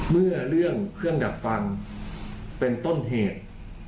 เมื่อเรื่องเครื่องดับฟันเป็นต้นเหตุ